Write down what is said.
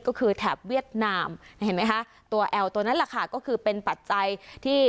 ก็คือแถบเวียดนามที่แอวตัวนั้นหละค่ะก็คือเป็นปัจจัยที่